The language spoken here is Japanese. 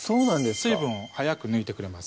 水分を早く抜いてくれます